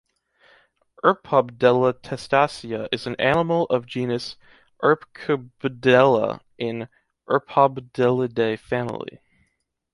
Erpobdella testacea is an animal of genus Erpqbdella in Erpobdellidae family.